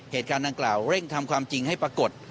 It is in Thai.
เหตุการณ์ดังกล่าวเร่งทำความจริงให้ปรากฏ